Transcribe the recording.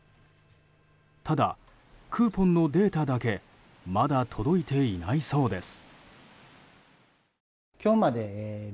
ただ、クーポンのデータだけまだ届いていないそうです。